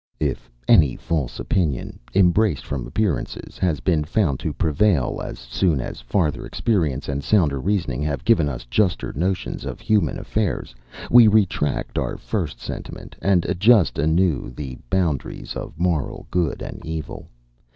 If any false opinion, embraced from appearances, has been found to prevail; as soon as farther experience and sounder reasoning have given us juster notions of human affairs, we retract our first sentiment, and adjust anew the boundaries of moral good and evil.